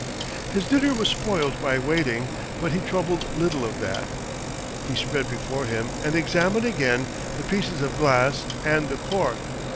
His dinner was spoilt by waiting, but he troubled little of that. He spread before him, and examined again, the pieces of glass and the cork.